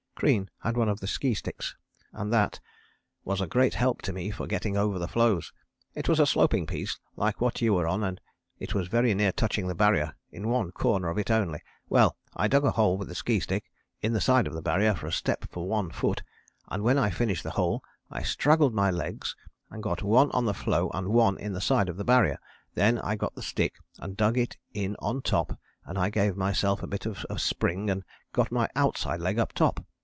Crean had one of the ski sticks and that "was a great help to me for getting over the floes. It was a sloping piece like what you were on and it was very near touching the Barrier, in one corner of it only. Well, I dug a hole with the ski stick in the side of the Barrier for a step for one foot, and when I finished the hole I straddled my legs and got one on the floe and one in the side of the Barrier. Then I got the stick and dug it in on top and I gave myself a bit of a spring and got my outside leg up top.